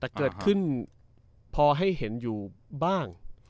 แต่เกิดขึ้นพอให้เห็นอยู่บ้าง